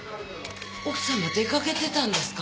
奥さんが出かけてたんですか？